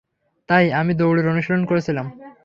তাই, আমি দৌড়ের অনুশীলন করছিলাম।